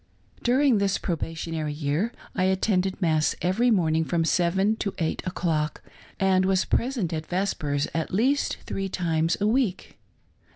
During this probationary year I attended mass every morning from seven to eight o'clock, and was present at vespers at least three times a week.